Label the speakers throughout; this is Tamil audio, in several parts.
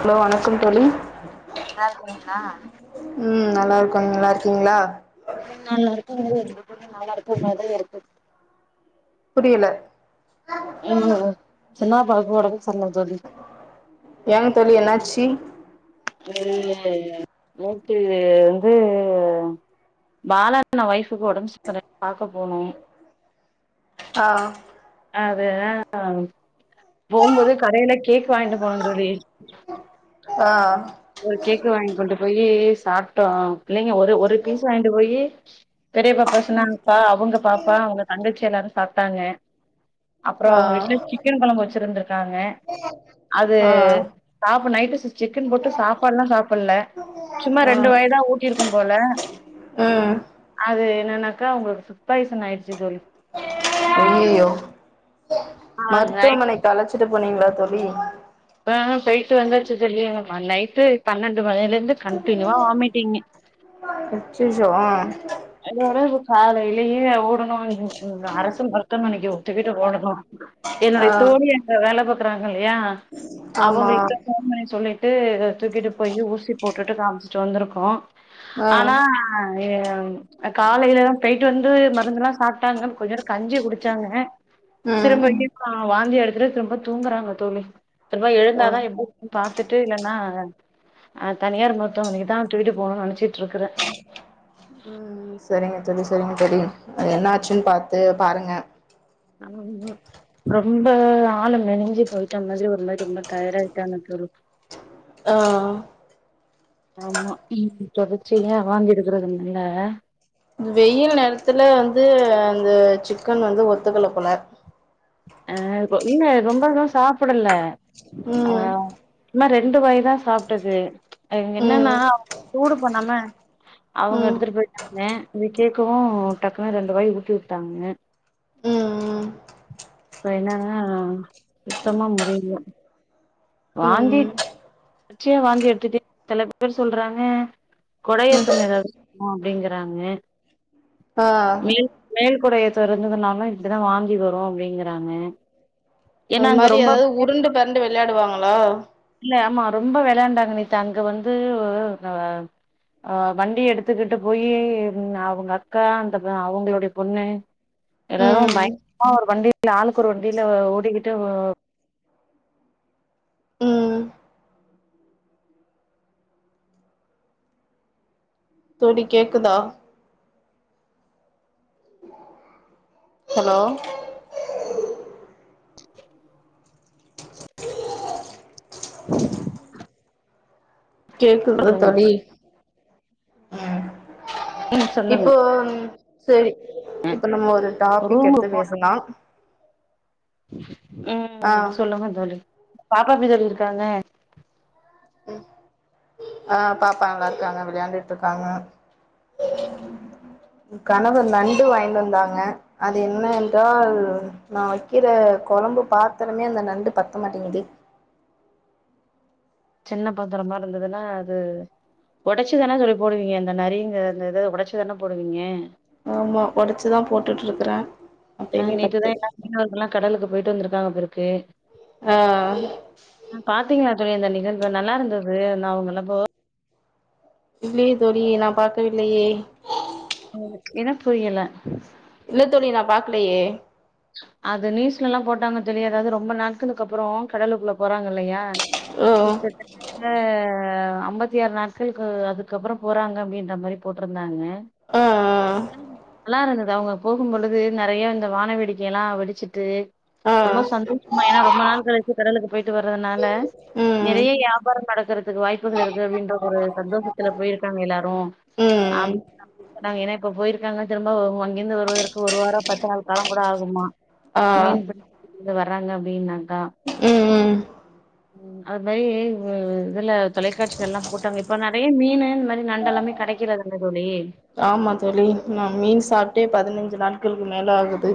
Speaker 1: ஹலோ வணக்கம் தோழி
Speaker 2: நல்லா
Speaker 1: உஹம் நல்லா இருக்கோ நல்லார்க்கீங்களா
Speaker 2: [unintelligible] நல்லா இருக்க மாரி தான் இருக்கு
Speaker 1: புரியல
Speaker 2: உஹம் சின்ன பழ படக்கு
Speaker 1: ஏங்க தோழி என்னாச்சு
Speaker 2: இல்ல இல்ல நேட்டு இத வந்து பாலானா ஒய்ஃபுக்கு உடம்புச்சு ச பாக்க போனும்
Speaker 1: ஆ
Speaker 2: அதுதான் போகும்போது கடையில கேக் வாங்கிட்டு போனங் தோழி
Speaker 1: ஆஹா
Speaker 2: ஒரு கேக்கு வாங்கிகொண்டு போயி சாப்டோம் இல்லைங்க ஒரு ஒரு பீஸ் வாங்கிடு போயி பெரியப்பா பேசுனாங்பா அவுங்க பாப்பா அவுங்க தங்கச்சி எல்லாரும் சாப்ட்டாங்க அப்றம் அவுங்க வீட்டில
Speaker 1: ஆ
Speaker 2: சிக்கன் குழம்பு வச்சிருந்துருக்காங்க அது
Speaker 1: ஆ
Speaker 2: சாப்பு நைட்டு சிக்கன் போட்டு சாப்பாடுல்லாம் சாப்டல சும்மா
Speaker 1: ஆ
Speaker 2: ரெண்டு வய்தான் ஊட்டிருக்கு போல
Speaker 1: ம்
Speaker 2: அது என்னன்னாக்கா உங்களுக் புட் பாய்சன் ஆயிடுசு தோழி ஆ நைட்
Speaker 1: மருத்துவமனை கழச்சிட்டு போண்ணீங்களா தோழி
Speaker 2: அ நைட்டு பன்னெண்ட் ரெண்டு மணில இருந்து கன்டினியூவா வாமிட்டிங்கு
Speaker 1: அச்சச்சோ ஆ
Speaker 2: அதோட இப்ப காலைலையேஓ அரசு மருத்துமனைக்கு ஒத்துக்கிட்டு ஒடணும்
Speaker 1: ஆ
Speaker 2: என்னுடைய தோழி அங்க வேலை ல்லையா
Speaker 1: ஆமா
Speaker 2: அவுங்கிட்ட போன் பண்ணி சொல்லிட்டு தூக்கிட்டு போய் ஊசி போட்டுட்டு காமிச்சுட்டு வந்துருக்கேம் ஆ ஆனா ஏ காலையில்லாம் போயிட்டு வந்து மருந்ததெல்லாம் சாப்ட்டாங்க கொஞ்ச நேரம் கஞ்சி குடிச்சாங்க
Speaker 1: ம்
Speaker 2: திரும்ப வாந்தி எடுத்துடு ரொம்ப தூங்குறாங்க தோழி ரப
Speaker 1: ஆ
Speaker 2: எழுந்தாதான் எப்படினு பாத்துட்டு இல்லன்னா ஆஹ் தனியார் மருத்துவமனைக்குதான் துக்கீட்டு போணும்னு நெனைச்சிட்டுருக்கறேன்
Speaker 1: உஹம் சரிங்க தோழி சரிங்க தோழி அது என்ன ஆச்சுன்னு பாத்து பாருங்க
Speaker 2: ஆ ரொம்ப ஆளு மெனுஞ்சு போயிட்டா அந்த மாரி ஒரு மாரி ரொம்ப டயாடாட்டாங்க சொலு
Speaker 1: ஆஹ்
Speaker 2: ஆமா தொடர்ச்சிய வாந்தியேடுகுறதுனல்ல
Speaker 1: வெயில் நேரத்துல வந்து இந்த சிக்கன் வந்து ஒத்துக்கல போல
Speaker 2: அஹ் இல்ல ரொம்பர சாப்பிடல
Speaker 1: ம் ம்
Speaker 2: ஆஹ் சும்ம ரே ரெண்டு வயதான் சாப்பிட்டது எங்க என்னன்னா சூடு பண்ணாம அவங்க
Speaker 1: ம்
Speaker 2: எடுத்துட்டு போயிட்டாங்க இத கேட்கவும் டக்குனு ரெண்டுவாய் ஊட்டி விட்டாங்க
Speaker 1: ம் ம்
Speaker 2: இப்ப என்னன்னா சுத்தமா முடியல வாந்தி
Speaker 1: ம்
Speaker 2: தொடர்ச்சியா வாந்தி எடுத்துட்டே சில பேர் சொல்றாங்க கொடையத்தம் ஏதாவது அப்படிங்கறாங்க
Speaker 1: ஆஹ்
Speaker 2: குடைய இருந்ததுனால இப்படிதான் வாந்தி வரும் அப்படின்னு ங்கறாங்க
Speaker 1: அது மாரி ஏதாவது உருண்டு பெறண்டு விளையாடுவாங்களா
Speaker 2: இல்ல ஆமா ரொம்ப விளையாண்டாங்க நேத்த அங்க வந்து அஹ் வண்டி எடுத்துக்கிட்டு போயி அவங்க அக்கா அந்த அவங்களுடைய பொண்ணு எல்லாரும்
Speaker 1: ம்
Speaker 2: பயங்கரமா ஒரு வண்டி ஆளுக்கு ஒரு வண்டியில ஓடிக்கிட்டு
Speaker 1: உம் தோழி கேக்குதா ஹலோ கேக்குது
Speaker 2: சொல்லுங்க
Speaker 1: தோழி உஹம்
Speaker 2: ம் சொல்லுங்க
Speaker 1: இப்போ சேரி இப்ப நம்ம டாபிக் எடுத்து பேசலாம்
Speaker 2: [unintelligible] உம் சொல்லுங்க தோழி பாப்பா எப்பி இருக்காங்க
Speaker 1: ஆஹ் பாப்பா நல்லா இருக்காங்க விளையாண்டுட்டு இருக்காங்க கணவர் நண்டு வாங்கிட்டுவந்தாங்க என்ன என்றால் நான் வைக்கிற குழம்பு பாத்திரமே அந்த நண்டு பத்த மாட்டேங்குது
Speaker 2: சின்ன பாத்தரமா இருந்ததுன்னா அது உடைச்சிதானே தோழி போடுவீங்க இந்த நரிங்க அந்த இத உடைச்சிதானே போடுவீங்க
Speaker 1: ஆமா உடைச்சுதான் போட்டுட்டு இருக்கறேன்
Speaker 2: ஆஹ் நேத்து தான் எல்லா மீனவர்களும் கடலுக்கு போயிட்டு வந்துரு
Speaker 1: ஆ
Speaker 2: [unintelligible] பாத்தீங்களா தோழி அந்த நிகழ்வு நல்லா இருந் அது நான் உங்கல்ல போ
Speaker 1: இல்லையே தோழியே நான் பாக்கவில்லையே
Speaker 2: என்ன புரியல
Speaker 1: இல்ல தோழி நான் பாக்லயே
Speaker 2: அது நியூஸ்ல எல்லா போட்டாங்க தெரிய அதாவது ரொம்ப நாட்களுக்கு அப்றம் கடலுக்குள்ள போறாங்க இல்லையா
Speaker 1: ஓ
Speaker 2: கிட்டத்தட்ட ஐம்பத்தி ஆறு நாட்களுக்கு அதுக்கப்புறம் போறாங்க அப்படின்ற மாரி போட்டிருந்தாங்க
Speaker 1: ஆ
Speaker 2: அலாரம் அவுங்க போகும்பொழுது நறைய அந்த வானவெடி எல்லா வெடிச்சிட்டு
Speaker 1: ஆ ஆ
Speaker 2: ரொம்ப சந்தோஷமா ஏன்னா ரொம்ப நாள் கழிச்சு கடலுக்கு போய்ட்டு வரறதுனால
Speaker 1: ம்
Speaker 2: நிறைய வியாபாரம் நடக்கறதுக்கு வாய்ப்புகள் இருக்கு அப்படின்ற ஒரு சந்தோஷத்துல போயிருக்காங்க எல்லாரும்
Speaker 1: ம்
Speaker 2: அப்ப ஏ இப்ப போயிருக்காங்கன்ன திரும்ப அங்கிருந்து வருவதற்கு ஒரு வாரம் பத்து நாள் காலம் கூட ஆகும் பெரியம்மா
Speaker 1: ஆ
Speaker 2: மீன் புடிச்சுக்கின்னு வராங்க ஏய் நான் ஆம்
Speaker 1: ம் ம்
Speaker 2: உம் அது போயி இதுல தொலைக்காட்சியில் எல்லாம் போட்டாங்க இப்ப நறைய மீனு நண்டு எல்லாம் இப்ப கெடைக்கிறது இல்லல்ல தோழி
Speaker 1: ஆமா தோழி நான் மீன்
Speaker 2: ம்.
Speaker 1: சாப்டே பதினைந்து நாள் ளுக்கு மேலே ஆகுது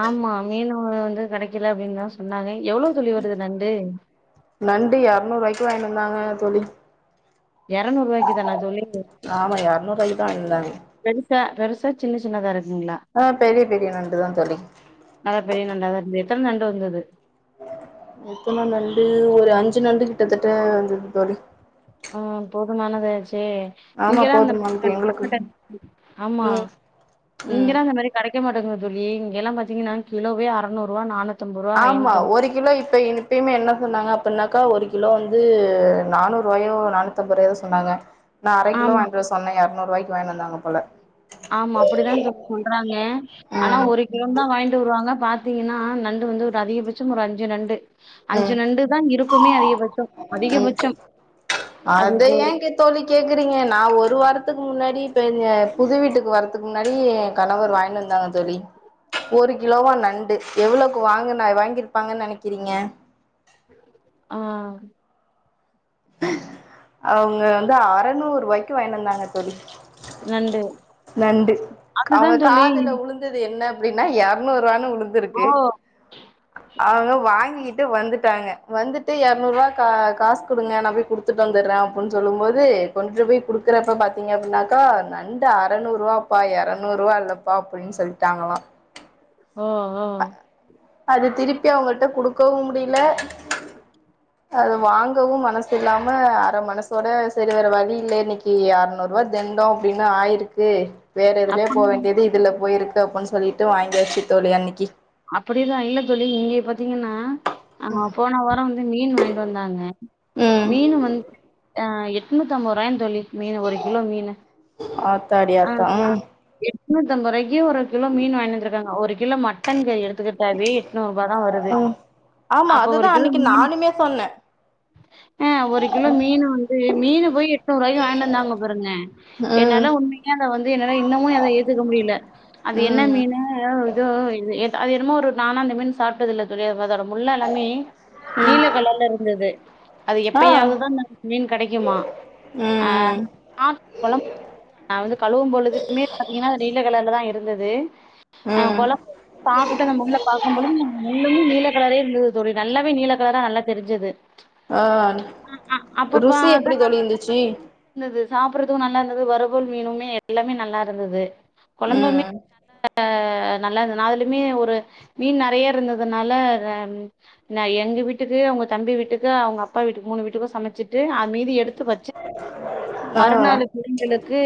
Speaker 2: ஆமா மீனு வந்து கெடைக்கல அப்படின்னுதான் சொன்னாங்க எவ்வளவு தோழி வருது நண்டு
Speaker 1: நண்டு இருநூறு ரூபாய்க்கு வாங்கிட்டு வந்தாங்க தோழி
Speaker 2: இருநூறு ரூபாய்க்கு தானா தோழி
Speaker 1: ஆமா எரநூறுவாய்க்கு தா வாங்கினு வந்தாங்க
Speaker 2: பெருசா பெரிசா சின்ன சின்னதா இருக்குங்களா
Speaker 1: ஆஹ் பெரிய பெரிய நண்டுதான் தோழி
Speaker 2: எத்தனை நண்டு வந்தது
Speaker 1: எத்தனை நண்டு ஒரு அஞ்சு நண்டு கிட்டத்தட்ட வந்தது தோழி
Speaker 2: உம் போதுமானது ஆச்சு
Speaker 1: ஆமா
Speaker 2: [unintelligible]
Speaker 1: போதுமானது எங்களுக்கு ம் ம்
Speaker 2: விக்க மாட்டேங்குது தோழி இங்கெல்லாம் பாத்தீங்கன்னா கிலோவே அறநூறுவா நானூத்தி
Speaker 1: ஆமா ஒரு கிலோ இப்ப இப்பயுமே என்ன சொன்னாங்க அப்புன்னா அக்கா ஒரு கிலோ வந்து நானூறு ரூபாயோ நானூத்தஐம்பது ரூவாயோ சொன்னாங்க நான் அரை கிலோ
Speaker 2: ஆமா
Speaker 1: வாங்கிட்டு வர சொன்னன் எரநூறு ரூபாய்க்கு வாங்கிட்டு வந்தாங்க போல
Speaker 2: ஆமா அப்படிதான் சொ சொல்றாங்க ஆனா
Speaker 1: ம்
Speaker 2: ஒரு கிலோ தான் வாங்கிட்டு வருவாங்க பா பாத்தீங்கன்னா நண்டு வந்து ஒரு அதிகபட்சம் ஒரு அஞ்சு நண்டு அஞ்சு
Speaker 1: உம்
Speaker 2: நண்டு தா இருக்குமே அதிகபட்சம்
Speaker 1: உம்
Speaker 2: அதிகபட்சம் அது
Speaker 1: அத
Speaker 2: இது
Speaker 1: ஏங்க தோழி கேக்குறீங்க நான் ஒரு வாரத் த்துக்கு முன்னாடி இப்ப புது வீட்டுக்கு வரதுக்கு முன்னாடி கணவர் வாங்கினு வந்தாங்க தோழி ஒரு கிலோ வாம் நண்டு எவ்வளோக்கு வாங்குனா வாங்கிருப்பாங்கன்னு நெனைக்கிறீங்க
Speaker 2: ஆஹ்
Speaker 1: அவங்க வந்து அறநூறுவாய்க்கு வாங்கின்னு வந்தாங்க தோழி
Speaker 2: நண்டு
Speaker 1: நண்டு
Speaker 2: அதுதா
Speaker 1: அவங்க
Speaker 2: தோழி
Speaker 1: காதுல உளுந்தது என்ன அப்டின்னா எரநூறுவானு
Speaker 2: ஓ
Speaker 1: இருந்திருக்கு அவங்க வாங்கிட்டு வந்துட்டு வந்துட்டு எரநூரூபா காசு குடுங்க நான் போய் குடுத்துட்டு வந்துடுறேன்னு அப்புட்னு சொல்லும் போது கொண்டு போய் குடுக்கறப்ப பாத்தீங்கப்னாக்கா நண் அறநூரூவாப்பா எரநூரூவா இல்லப்பா அப்படின்னு சொல்ட்டாங்களாம்
Speaker 2: உம் உம்
Speaker 1: அது திருப்பி அவங்கிட்ட குடுக்கவும் முடில அது வாங்கவும் மனசு இல்லாம அர மனசோட சரி வர வழி இல்ல இன்னைக்கு அறநூறு ரூபா தெண்டம் அப்டின்னு ஆயிருக்கு வேற எதுலயோ
Speaker 2: அப்ப
Speaker 1: போக வேண்டியது இதுல போயிருக்கு அப்புர்னு சொல்லிட்டு வாங்கியாச்சு தோழி அன்னைக்கு
Speaker 2: அப்படிதான் இல்ல தோழி இங்கே பாத்தீங்கன்னா ஆஹ் போன வாரம் மீன் வாங்ட்டு வந்தாங்க
Speaker 1: ம்
Speaker 2: மீன் வந்து ஆஹ் எட்நூத்து அம்பதுரூபாயா தோழி மீன் ஒரு கிலோ மீன்
Speaker 1: ஆத்தாடி ஆத்தா
Speaker 2: எட்ணூத்தம்பதுருபாய்க்கு ஒரு கிலோ மீன் வாங்கிட்டு வந்திருக்காங்க ஒரு கிலோ மட் டன் கறி எடுத்துக்கிட்டாவே எநூறு ரூபா தான் வருது
Speaker 1: ம் ஆமா
Speaker 2: அப்ப ஒரு
Speaker 1: அதுதா
Speaker 2: கிலோ
Speaker 1: அன்னைக்கு
Speaker 2: மீன்
Speaker 1: நானுமே சொன்னே
Speaker 2: ஆஹ் ஒரு கிலோ மீன் வந்து மீன் போய் எட்நூறு ரூபாய்கு வாங்கினுவந்தாங்க பாருங்க
Speaker 1: ம்
Speaker 2: என்னால உண்மையே அதைவந்து என்னால இன்னமும் அத ஏத்துக்க முடியல அது என்ன
Speaker 1: ம் ம்
Speaker 2: மீனு இதோ அது என்னமோ ஒரு நானா அந்த மீன் சாப்ட்டதுல்ல தோழி முள்ளெல்லாமே நீல கலர்ல இருந்தது அது
Speaker 1: ஆ
Speaker 2: எப்பயாவது தான் மீன் கெடைக்குமா
Speaker 1: ம்
Speaker 2: அத கழுவும்பொழுதுமே நீல கலர்ல தான் இருந்தது
Speaker 1: உம்
Speaker 2: சாப்ட்டு நம்ம உள்ள பார்க்கபோது இன்னு நீல கலரே இருக் தொழி நல்லாவே நீல கலரா நல்லா தெரிஞ்சது
Speaker 1: ஆ
Speaker 2: அப்பப்ப
Speaker 1: ருசி எப்டி
Speaker 2: அதான்
Speaker 1: தோழி இருந்துச்சு
Speaker 2: இருந்தது சாப்பறதுக்கும் நல்லா இரு வருவல் மீனுமே எல்லாமே நல்லா இருந்தது குழம்புமே
Speaker 1: ம்
Speaker 2: நல்ல நல்லா நாலுமே ஒரு மீன் நிறைய இருந்ததுனால எங்க வீட்டுக்கு அவங்க தம்பி வீட்டுக்கு அவங்க அப்பா வீட்டு மூணு வீட்டுக்கும் சமைச்சி அது மீதி எடுத்து வச்சு
Speaker 1: ஆ
Speaker 2: மறுநாள் புள்ளைங்களுக்கு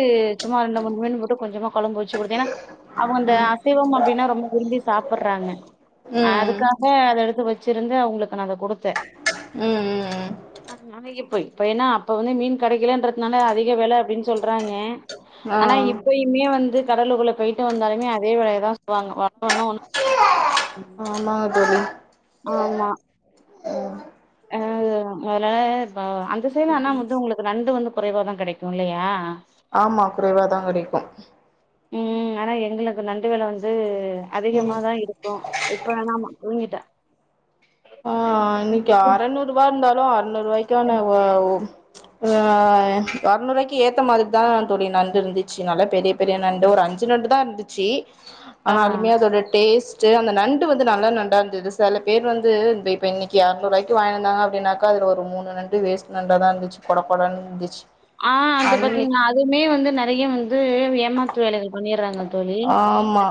Speaker 2: சும்மா ரெண்டு மூணு மீன் மட்டும் கொஞ்சமா குழம்புச்சு கொடுத்தேன் ஏன்னா அவங்க அந்த அசைவம் அப்படின்னா ரொம்ப விரும்பி சாப்படுறாங்க
Speaker 1: ம்
Speaker 2: அதுக்காக அதை எடுத்து வச்ச வச்சிருந்த அவங்களுக்கு நான் அதை கொடுத்தேன்
Speaker 1: ம் ம்
Speaker 2: [unintelligible] பேய்ன்னா அப்ப வந்து மீன் கடைக்கல இருக்னால அதிக வேலை அப்படின்னு சொல் சொல்றாங்க
Speaker 1: ஆ
Speaker 2: ஆனா இப்பயுமே வந்து கடலுக்குள்ள போயிட்டு வந்தாலுமே அதே வேலை தான்சொல்லவாங்க
Speaker 1: ஆஹ் ஆமாதோழி
Speaker 2: ஆமா [unintelligible] னா வந்து உங்களுக்கு நண்டு வந்து குறைவாதான் கெடைக்கும் இல்லையா
Speaker 1: ஆமா குறைவாதான் கிடைக்கும்
Speaker 2: ம் ஆனா எங்களுக்கு நண்டு வேல வந்து
Speaker 1: ம்
Speaker 2: அதிகமாதான் இருக்கும் இப்ப வேணாம் தூங்கிட்டேன்
Speaker 1: ஆஹ் இன்னைக்கு ஆறநூறு ரூபா இருந்தா [unintelligible] அறுநூறுவாய்க்கான ஆஹ் அறுநூறுவாக்கி ஏத்த மாதிரி தான் தோழி நண்டு இருந்துச்சு நல்லா பெரிய பெரிய நண்டு ஒரு அஞ்சு நண்டு தான் இருந்துச்சு
Speaker 2: ஆ
Speaker 1: ஆனாலுமே அதோட டேஸ்ட் ச்சி அந்த நண்டு வந்து நல்லா நண்டா இருந்தது சில பேர் வந்து இ இப்ப இன்னைக்கு இநூறுவாய்க்கு வங்கிட்வந்தாங்க அப்பின்னாக்கா அது ஒரு மூணு நண்டு வேஸ்ட் நண்டா தான் இருந்துச்சு கொடகொடன் இருந்துச்சு
Speaker 2: ஆஹ் அது பாத்தீங்கன்னா
Speaker 1: அன்னைக்கு
Speaker 2: அதுமே வந்து நெறைய வந்து ஏமாத்து வேலைகள் பண்ணடுறாங்க தோழி
Speaker 1: ஆமா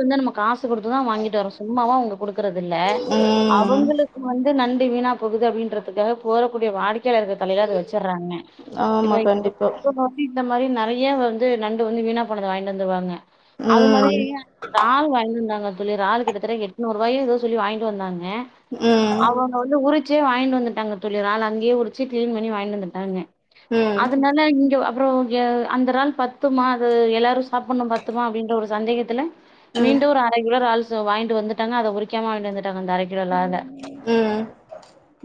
Speaker 2: வந்து நம காசு கொடுத்து தான் வாங்கிட்டு வரும் சும்மாவ இருக்கறிறதுல்ல
Speaker 1: ம்
Speaker 2: அவுங்களுக்கு வந்து நண்டு வீணா போகுதி அப்படின்றதுக்காக போறக்கூடிய வாடி கக்கதுக்கு தலைல வச்சடுறாங்க
Speaker 1: ஆமா கண்டிப்பா
Speaker 2: இந்த மாரி நெறய வந்து நண்டு வந்து வீணா போனடா வாங்கிட்டு வந்துடுவாங்க அது மாரி
Speaker 1: ம்
Speaker 2: அன்னைக்கு ராலு வாங்கிட்டு வந்தாங்க தோழி ராலு கிட்டத்தட்ட எட்டுநூறு வ ஏதோ சொல்லிங்கிட்டு வந்தாங்க
Speaker 1: ம்
Speaker 2: க அவுங்க வந்து உரு ச்சே வாங்கி வந்துட்டாங்க தோழிலால் அங்கேயே உடிச்சு கிளீன்ண்ணி வாங்கிட்டு வந்துட்டாங்க
Speaker 1: ம்
Speaker 2: அதுனாலா இங்க அ அப்புறம் [unintelligible] அந்த நாள் பத்துமா அது எல்லாரும் சாப்பிடும் பாத்துமா அப்படின்ற ஒரு சந்தேகத் எலா
Speaker 1: ம்
Speaker 2: மீண்டும் ஒரு அரைகிலோ றால்ஸ் சு வாங்கிட்டு வந்துட்டாங்க அத உறிக்காம வாங்டி வந்து அந்த அரைக்கிலோ றால்ல
Speaker 1: ம்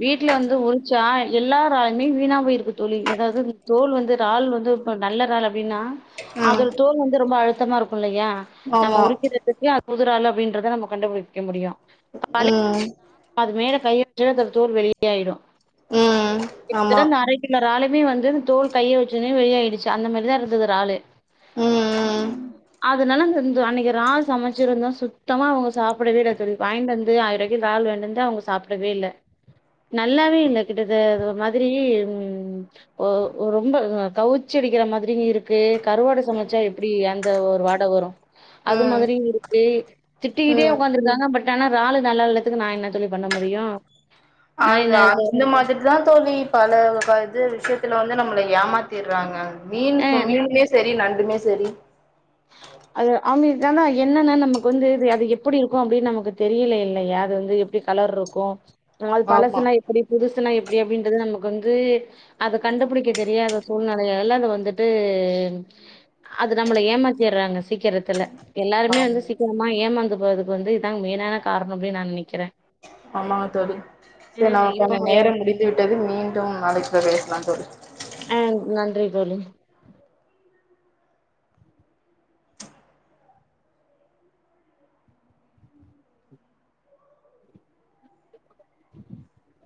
Speaker 2: வீட்டல வந்து து உரிச்சா எல்லா ராகியுமே வீணா போய் இருக்கு தோழி ஏதாவது உ தோல் வந்து இறால் வந்து நல்ல றால் அப்படின்னா
Speaker 1: ம்
Speaker 2: அதோட தோல் வந்து ரொம்ப அழுத்தமா இருக்கும் இல்லையா நம்ம
Speaker 1: ஆமா
Speaker 2: உரிக்கிறதுக்கு புது இறால் அப்படின்றத நம்ம கண்டுபிடிக்க முடியும் பழைய
Speaker 1: ம்
Speaker 2: இறால்னா நம்ம அது மேல கைய வச்சா அதோட தோல் வெளியே ஆயிடு
Speaker 1: ம் ஆமா
Speaker 2: கிட்டத்தட்ட இந்த அரை கிலோ இறாலுமே வந் தோல் கையை வச்சதும் வெளி ஆயிடுச் சு அந்த மாரிதான் இருந்தது இறாலு
Speaker 1: ம்
Speaker 2: ஆஹ
Speaker 1: ம்
Speaker 2: அதனால து அன்னைக்கு இறால் சமைச்சிருந்த சுத் சுத்தமா அவங்க சாப்பிடவே இல்ல தோழி வாயிண்ட் வந்து ஆயிரய்க்கு டஜன் இறால் வாங்கிண்ட் வந்து சாப்பிடவே இல்ல நல்லாவே இல்ல கிட்டத ஒரு மாதிரி உம் ஓ ஓ ரொம்ப கவிச்சி அடிக்கிற மாதிரி இருக்கு கருவாடை சமைச்சா எப்படி அந்த ஒ ஒரு வாட வரும் அது
Speaker 1: ம்
Speaker 2: மாதிரி இருக்கு திட்டிக்கிட்டே
Speaker 1: ம்
Speaker 2: உட்காந்துருக்காங்க பட் ஆனா இறாலு நல்லா இல்லாததுக்கு நா என்ன தோழி பண்ண முடியும் நா
Speaker 1: அது
Speaker 2: என்ன
Speaker 1: அந்த மாதிரிதா த்துல வந்து நம்மளை ஏமாத்தியிடுறாங்க மீன்
Speaker 2: ஆ
Speaker 1: மீனுமே செரி நண்டுமே சரி
Speaker 2: அது அது தான் என்னன்னா நமக்கு வந்து அது எப்படி இருக்கும் அப்படின்னு நமக்கு தெரியல இல்லையா அது வந்து எப்படி கலர் இருக்கும் அது
Speaker 1: ஆமா
Speaker 2: பழசுனா எப்படி புதுசுனா எப் எப்படின்றது நமக்கு வந்து அத கண்டுபிடிக்க தெரியாத சூழ்நிலையால்ல அத வந்துட்டு அது நம்மளை ஏமாத்திறாங்க சீக்கிரத்துல எல்லாருமே
Speaker 1: ஆமா
Speaker 2: வந்து சீக்கிரமா ஏமாந்துப் அதுக்கு வந்து இதான் மெயின்னான காரன்னு நான் நெனைக்கிறேன்
Speaker 1: ஆமாங்க தோழி சேரி
Speaker 2: அ
Speaker 1: நான்
Speaker 2: இப்போ
Speaker 1: கொஞ்சம் நேரம் முடித்து விட்டது மீண்டும் நாளைக்கு பேசலாம் தோழி
Speaker 2: ஆஹ் நன்றி தோழி [inaudible]